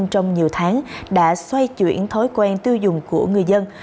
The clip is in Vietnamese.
trong nhiều tháng đã xoay chuyển thói quen tiêu dùng của người dân